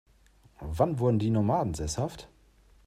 Wann wurden die Nomaden sesshaft?